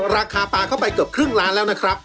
ราคาปลาเข้าไปเกือบครึ่งล้านแล้วนะครับ